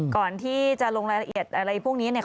ก่อนที่จะลงรายละเอียดอะไรพวกนี้เนี่ย